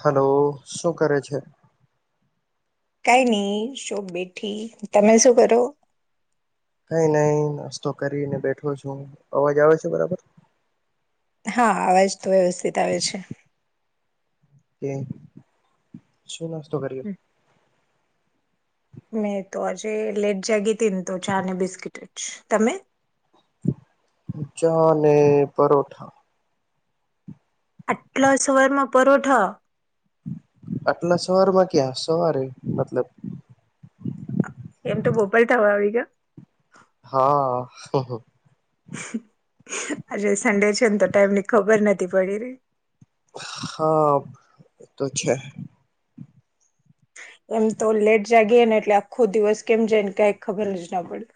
Hello! શું કરે છે? કાંઈ નહી. શો બેઠી તમે શું કરો? કઈ નઈ નાસ્તો કરીને બેઠો છું. અવાજ આવે છે, બરાબર. હા, અવાજ તો વ્યવસ્થિત આવે છે. કે, શું નાસ્તો કર્યો? મેં તો આજે લેટ જાગી તન તો ચા અને બિસ્કીિટ જ તમે ચા અને પરોઠા આટલા સવારમાં પરોઠા આટલા સવાર માં ક્યાં સવારે મતલબ એમ તો બોપલતાવા આવી ગયા હા આજે સન્ડે છે ને તો ટાઈમની ખબર નથી પડી રહી હા એ તો છે એમ તો લેટ જાગી ને એટલે આખો દિવસ કેમ જાયને કાઈ ખબર જ ના પડતી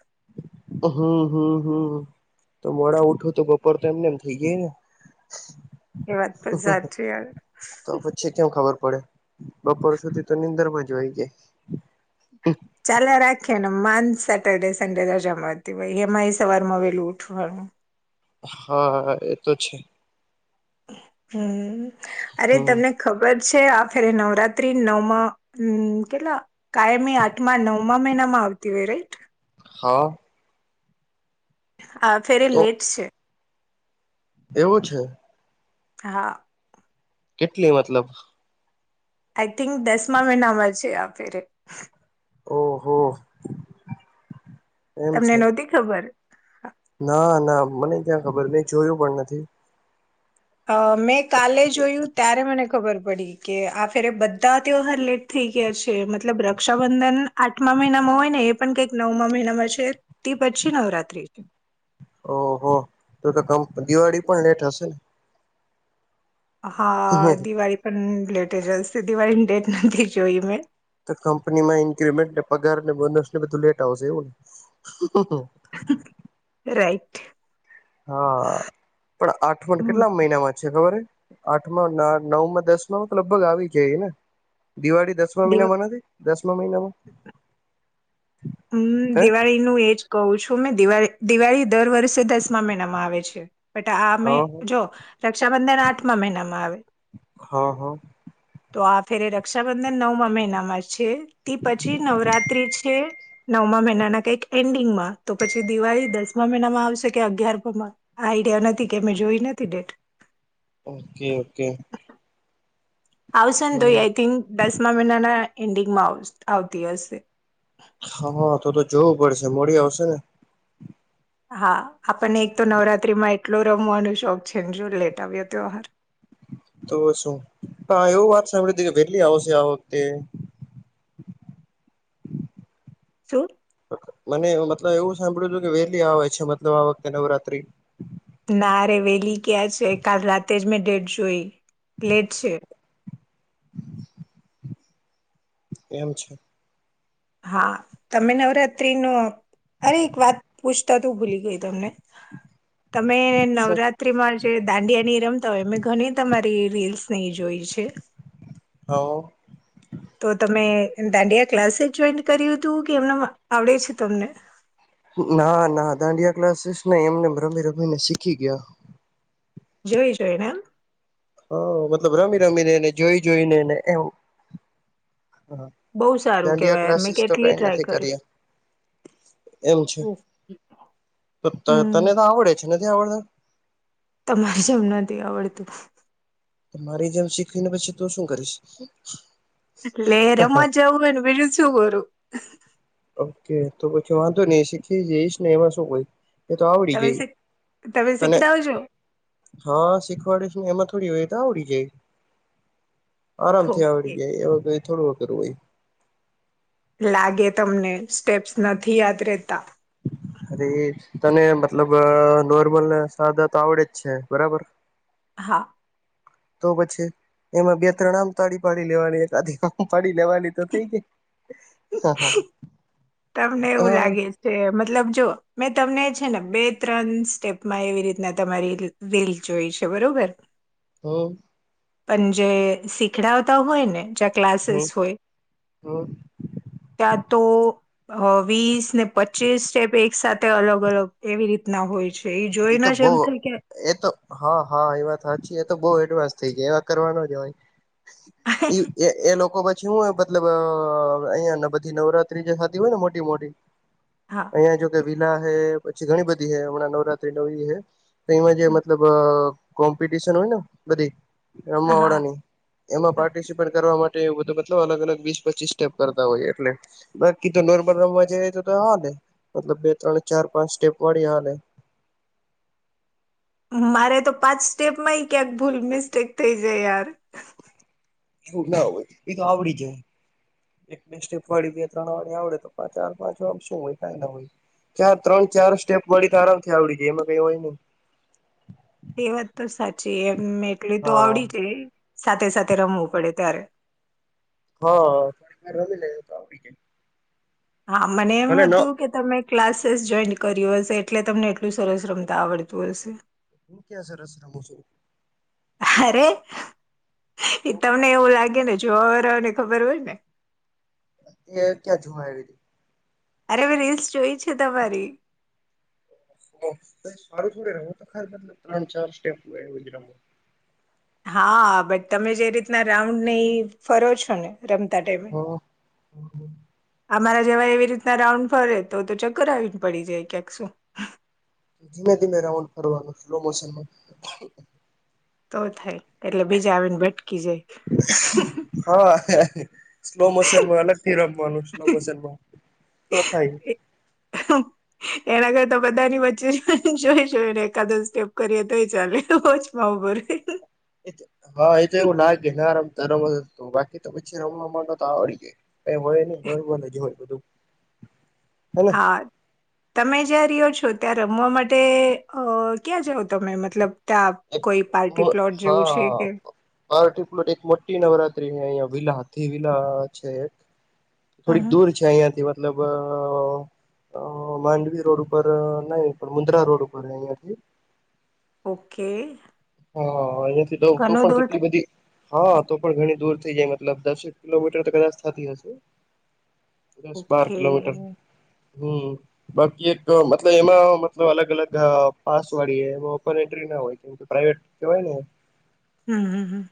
હમ્મ તો મોડા ઉઠો તો બપોર તો એમને એમ થઇ ગાય ને એ વાત પણ સાચી યાર તો પછી કેમ ખબર ડ બપોર સુધી તો નીંદરમાં જ હોય ગાય ચાાલ રાખીએ ને મા સેટરડે સન્ડે રજામાંતી હોાઈ એમાં એ સવાર માં વેલું ઉઠવાનું હા એતો છે હમ્મ અરે હમ તમને ખબર છે આેરે નવરાત્રી નવમાં કેટલા કાયમી આઠમા નવમા મહિનામાં આવતીવે રઈટ હા હા ફેરે તો લેટ છે એવું છે હા. કેટલી મતલબ? આઈ થિંક દસમા મહ ના મળજે આેરે ઓહો એમ તમને છે નહોતી ખબર? ના ના મને ક્યાં ખબર મેં જોયું પણ નથી હ મેં કાલે જોયું ત્યારે મને ખબર પડી કે આ ફેરે બધા તેઓ હર લેટ થઈ ગયા છે મતલબ રક્ષાબંધન આઠમા મહિનામાં હોય ને એ પણ કંઈક નવમા મહિનામાં છે તે પછી નવરાત્રી છે ઓહ તો તો દિવાળી પણ લેટ હશે ને હા દિવાળી પણ લેટે જાલશે દિવાળીની ડેટ નથી જોઈ મેં તો કંપની માં ઇન્ક્રીમેન્ટ ને પગાર ને બોનસ ને બધું લેટ આવશે એવું ને રાઈટ હા પણ આઠમણ હમ કેટલા મહિનામાં ખબર હ આઠમાં નવ માં દસ માં તો લગભગ આવી જાય એને દિવાળી દસમા દિવ મહિનામાં નથી દસમા મહિનામાં હમ હે દિવાળી નું એજ કહું છું મેં દિવાળ દિવાળી દર વર્ષે દસમા મહિનામાં આવે છે બટ આ હા જો રક્ષાબંધન આઠમા મહિનામાં આવે હા હા તો આ ફેરે રક્ષાબંધન નવમા મહિનામાં છે તે પછી નવરાત્રી છે નવમા મહિનાના કંઈક એન્ડિંગમાં તો પછી દિવાળી દસમા મહિનામાં આવશે કે અગિયારમાં આઈડિયા નથી કે અમે જોઈ નથી ડેટ ઓકે ઓકે આવશે ને તોય આઈ થિંક દસમા મહિનાના એન્ડિંગમાં આવતી હશે હા તો તો જોવું પડશે મોડી આવશે ને હા આપણને એક તો નવરાત્રીમાં એટલો રમવાનો શોખ છેને જો લેટ આવ્યો ત્યહાર તો શું હ એવું વાત સાંભળી હતી કે વેલી આવશે આ વખતે [inaudible] શું મને મતલબ એવું સાંભળું છું કે વહેલી આવે છે મતલબ આ વખતે નવરાત્રી ના રે વેલી કયાં છે કાલ રાતે જ મેં ડેટ જોઈ લેટ છે એમ છે હા તમે નવરાત્ર્રી નું અરે એક વાત પૂછતા તોું ભૂલી ગઈ, તમને તમે શું નવરાત્રીમાં જે દાંડિયા ની રમતા હોય મેમે ઘણી તમારી રીલ્સ નહી જોઈ છે હો તો તમે દાંડિયા ક્લાસે જ જોઈન કર્યું હતું કે એમને આવડે છે તમને ના ના દાંડિયા ક્લાસીસ નહી એમને રમી રમીને શીખી ગયા. જોઈ જોઈ મેમ હા મતલબ રમી રમીને જોઈ જોઈનેને એમ હ બહુ સારું દાંડિયા કેવાય યાર મેં ક્લાસીસ તો કેટલી કઈ ટ્રાય નથી કરી કરી્યા એમ છે તો હમ તને તો આવડે છે. એ નથીથી આવડતા તમારે જેમ નથી આવડતું મારી જેમ શીખવીને પછી તું શું કરીશ ટ લે રમાં જવું એ બીલું શું ગરું ઓકે તો પછી વાંધો નહી શીખી જઈશ ને એમાં શું કોઈ એ તો આવડી તમે જઈ શીખ તમે તને શીખડાવજો હા શીખવાડે. એમાં થોડી વ તો આવડી જાય આરામથી આવડી ઓકે જાય એ વ થોડું. તરઈ લાગે તમને સ્ટેપ્સ નથી યાદ રતા [unintelligible] અરે તને મતલબ નોર્મલને સાદા તો આવડે જ છે બરાબર હા તો પછી એમાં બે ત્રણ આમ તાળી પાડી લેવાની એક આધી આમ પાડી લેવાની તો થઈ ગઈ. તમને એવું લાગે છે એમ. મતલબ જો મેં તમને છે ને બે ત્રણ સ્ટેપમાં એવી રીતના તમારી રીલ જોઈ. છે બરોબર. હો. પણ જે શીખડાવતા હોય ને ઝટ હમ ક્લાસેસ હોય હમ તાંજ. તો અ વીસ ને પચીસ સ્ટેપ એક સાથે અલગ-અલગ એવી રીતના હોય છે. એ જોઈ તો ન બહ જ એમ થાય કે એ તો હા હા એવા સાચી એ તો બહુ એડવાન્સ થઈ જાય એવા કરવા નો જવાય. એ એ એ લોકો બધી શું હોય મતલબ અ અહિયાં બધી નવરાત્રી જે થતી હોય ને મોટી-મોટી. હા અહિયાં જો કે વિલા હે પછી ઘણી બધી હૈ હમણાં નવરાત્રી નવી હૈ. એમાં જે મતલબ અ કોમ્પિટશન હોય ને, બધી. હા રમવા વાડાની હા એમાં પાર્ટિસિપેટ કરવા માટે તે એવુ બધું મતલબ અલગ-અલગ વીસ પચીસ સ્ટેપ કરતા હોય એટલે બાકી તો નોર્મલ રમવા જાય તો હા. મતલબ બે ત્રણ, ચાર, પાંચ સ્ટેપ વાળી હાલે. મારે તો પાંચ સ્ટેપમાં ક્યાંક ભૂલ મિસ્ટેક થઈ જાય યાર. એવું ના હોય એ તો આવડી જાય. એક-બે સ્ટેપ વાળી બે-ત્રણ વાળી આવડે તો ચાર-પાંચ વા શું હોય કાંઈ ના હોય. ચાર ત્રણ ચાર સ્ટેપ વાળી તો આરામથી આવડી જાય એમાં કઈ હોય નઈ. એ વાત તો સાચી એમ એટલી તો હા આવડી જાય. સાથે-સાથે રમવું પડે ત્યારે. હા થોડી વાર રમી લે તો આવડી જાય. હા મને એમ ભલે ન હતું કે તમે ક્લાસીસ જોઈન કર્યું હશે એટલે તમને એટલું સરસ રમતા આવડતું હશે. હું ક્યા સરસ રમું છુ. અરે એ તો તમને એવું લાગે ને. જોવા વારાઓને ને ખબર હોય ને. એ ક્યાં જોવા આઈવી તી. અરે મેં રીલ્સ જોઈ છે તમારી. હું કઈ સારું થોડી રમું હું તો ખાલી મતલબ ત્રણ ચાર સ્ટેપ હો એવું જ રમું. હા બટ તમે જે રીતના રાઉન્ડ ને ઈ ફરો છો ને. રમતા ટાઈમે હો. અમારા જેવા એવી રીતના રાઉન્ડ ફરે તો તો ચક્કર આવીને પડી જાય ક્યાક શું. ધીમે-ધીમે રાઉન્ડ ફરવાનું સ્લો મોશનમાં. તો થાય એટલે બીજા આવીને ભટકી જાય. હા સ્લો મોશનમાં અલગથી રમવાનું સ્લો મોશનમાં તો થાય. હા એના કરતા બધાની વચ્ચે જોઈ જોઈને કદાચ સ્ટેપ કરીએ તોય ચાલે વચમાં ઉભું રઈ. એ તો હા એ તો એવું લાગે ના રમવ તાં રમવા જાઓ બાકી તો પછી રમવા માંડો તો આવડી જાય કઈ હોય નઈ નોર્મલ જ હોય બધું. [inaudible] હા તમે જ્યાં રહ્યો છો ત્યાં રમવા માટે અ ક્યાં જાઓ તમે મતલબ ત્યાં કોઈ પાર્ટી પ્લોટ જેવું છે હા કે. પાર્ટી પ્લોટ એક મોટી નવરાત્રીની અહિયાં વિલા હતી એ વિલા છે એક. હમ થોડીક હમ દૂર છે અહીંયાથી મતલબ અ. અ માંડવી રોડ ઉપર નહી પણ મુન્દ્રા રોડ ઉપર અહિયાંથી. ઓકે. હા અહીયાયાથી દઉ તોું ઘણો પણ દૂર કેટલી બધી હા તો પણ ઘણી દૂર થઇ જાય મતલબ દસેક કિલોમીટર તો કદાચ થતી હશે દસ બાર ઓકે કિલોમીટર હમ બાકી એક મતલબ એમાં મતલબ અલગ- અલગ પાસ વાળી એમાં ઓપન એન્ટ્રી હોય કેમ કે પ્રાઈવેટ કેવાય ને હમ્મ હમ્મ હ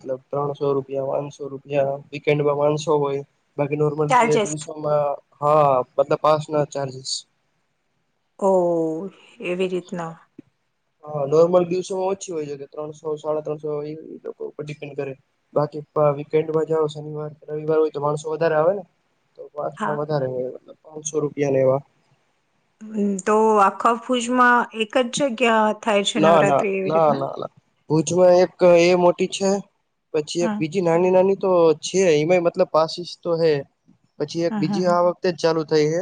મલબ ત્રણસો રૂપિયાનસો રૂપિયા વીકેન્ડમાંનસો હોય બાકી નોર્મલ ચાર્જેસ દિવસોમાં હા બતલ પાચ ના ચાર્જસ ઓ એવી રીતના હા નોર્મલ દિવસોમાં ઓછી હોય છે કે ત્રણસો સાડા ત્રણસો એ લોકો ઉપર ડિપેન્ડ કરે બાકી વીકેન્ડમાં જાઓ શનિવાર રવિવાર હોય તો માણસો વધારે આવે ને તો વાસ હા ના વધારે હોયલ પાંચસો રૂપિયાને એવા હ તો આખા ફુજમાં એક જ જગ્યા થાય છે ના ના નવરાત્રી એવી ના રીતના ના ના ભુજમાં એક એ મોટી છે પછી એક હા બીજી નાની નાની તો છે એમાં મતલબ પાસીિસ તો હે પછી એક હા હા બીજી આ વખતે જ ચાલુ થઈ હ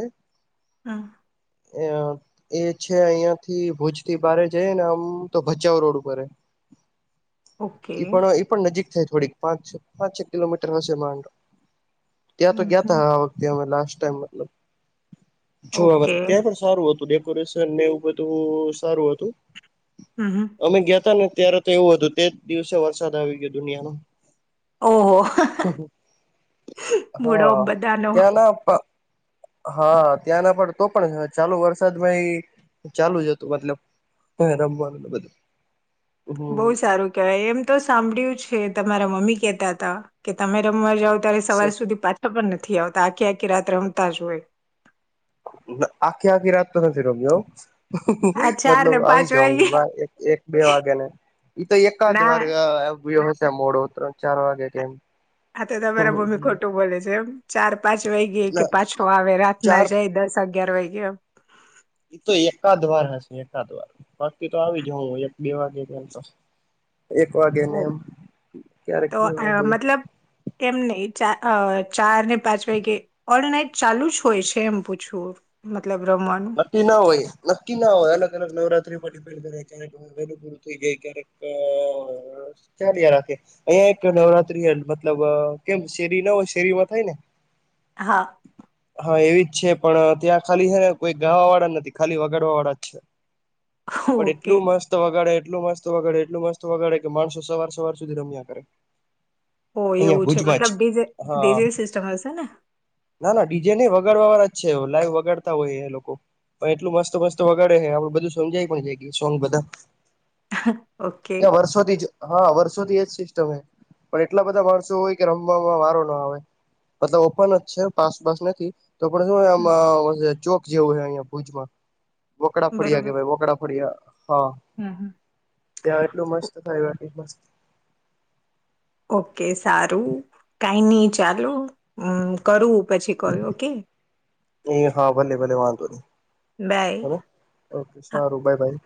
હા અ એ છે અહિયાયા થી ભુજ થી બારે જઈ ને આમ તો ભચાાવ રોડ ઉપર ઓકે પણ ઈ પણ નજીક થોડીક પાંચ છ પાંચ છ કિલોમીટર હશે માંડો ત્યાં તો હમ હમ ગયાતા આ વખતે અમે લ જો ઓકે ત્યાં પણ સારું હતું નનેવ બધ સારું હતું હમ હમ અમે ગયાતા ને ત્યારે તો એવું હતું તે દિવસે વરસાદ આવી ગયો દુનિયામાં ઓહો મૂડો હા બધાનો ત્યાના હા ત્યાંના પર તો પણ ચાલુ વરસાદ ભાઈ ચાલુ જ હતું મતલબ હ રમવાનું બધું બહુ હમ સારું કેવાય એમ તો સાંભળય્યું છે. તમારા મમ્મી કેતા હતા કે તમે રમવા જાવ ત્યારે સવાર સુધી પાછ ખબર નથી આવતા આખી આખી રાત રમતા જ હોય. આખી આખી રાત તો નથી રમ આ ચાર મતલબ ને પાંચ આવી જાઉં વાગે છું એક બે વાગે ને એ તો એકાદ ના વારગશે મોડો ત્રણ ચાર વાગે કેમ આ તો તમારા મમ્મી ખોટું બોલે છે એમ ચાર પાંચ વાગે કે ના ના પાછો આવે રાત ના ચાર જાય દસ અગિયાર વાગે એ તો એકાદ વાર હશે એકાદ વાર બાકી તો આવી જું એક બે વાગે તો એક વાગે ને એમ ક્યારેક બે વાગે ચ ચાર ને પાંચ વાગે ઓલ નાઈટ ચાલુ જ હોય છે એમ પૂછવું મતલબ રમવાનું નક્કી ના હોય નક્કી ના હોય અલગ અલગ નવરાત્રી પડી વેલું પૂરું થઈ જાય ક્યારેક ચાલ રાખે અહં એક નવરાત્રી મતલબ કેમ શેરી ના હોય શેરીમાં થાય ને હા. હા એવી જ છે પણ ત્યાં ખાલી છે ને કોઈ ગાવા વાળા નથી ખાલી વગાડવા વાળા જ છે પણ ઓકે એટલું મસ્ત વગડ એટલું મસ્ત વગાડે એટલું મસ્ત વગાડે કે માણસો સવાર સવાર સુધી રમ્યા કરે ઓ અહિયાં એવું છે ભુજમાં જ મતલબડી હા ડીજે સિસ્ટમ હશે ને ના ના ડીજે નહી વગાડવાગળ જ છે લાઈવ વગાડતા હોય લોકો પણ એટલું મસ્તો મસ્તો વગાડે હ આપડું બધું સમજાય પણ જાય ગ સોંગ બધા ઓકે વર્ષોથી જ હા વર્ષોથી એજ સિસ્ટમ છે પણ એટલા બધા માણસો હોય કે રમવામાં વારો ના આવે બધા ઓપન જ છે પાસ પાસ નથી તો આપડે હમ. શું ચોક જેવું છે અહિયાયા ભુજમાં વોકડા ફડ્યા બરોબર કે ભાઈ વોકડા ફડ્યા હા હમ, હમ. ત્યાં એટલું મસ્ત થાયટ મસ્ત ચાલુમ કરું પછી કોલ ઓકે હ એ બાય પ હા. ર બાઈ ભાઈ